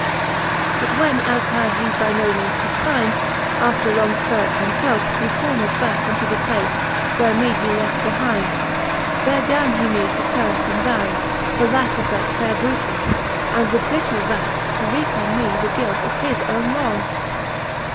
But when as her he by no meanes could find, After long fearch and chaufF, he turned backe Unto the place, where me he left behind: There gan he me to curfe and ban, for lacke Of that faire bootie, and with bitter wracke To wreake on me the guilt of his owne wrong.